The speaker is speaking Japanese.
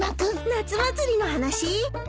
夏祭りの話？